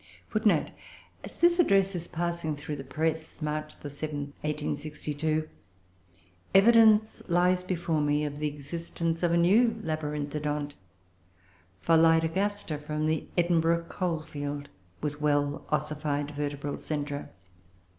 [Footnote 6: As this Address is passing through the press (March 7, 1862), evidence lies before me of the existence of a new Labyrinthodont (Pholidogaster), from the Edinburgh coal field with well ossified vertebral centra.